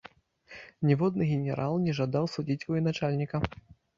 Ніводны генерал не жадаў судзіць военачальніка.